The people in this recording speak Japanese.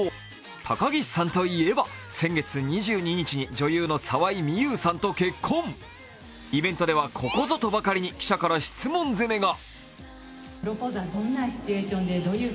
高岸さんといえば先月２２日に女優の沢井美優さんと結婚イベントではここぞとばかりに記者から質問攻めが。